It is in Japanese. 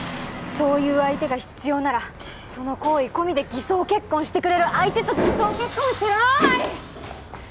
そういう相手が必要ならその行為込みで偽装結婚してくれる相手と偽装結婚しろい！